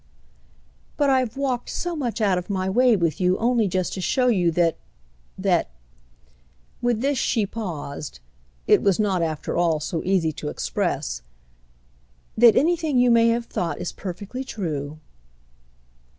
"But I've walked so much out of my way with you only just to show you that—that"—with this she paused; it was not after all so easy to express—"that anything you may have thought is perfectly true."